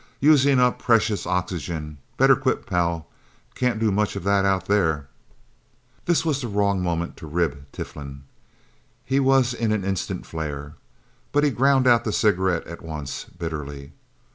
Using up precious oxygen. Better quit, pal. Can't do much of that Out There." This was a wrong moment to rib Tiflin. He was in an instant flare. But he ground out the cigarette at once, bitterly.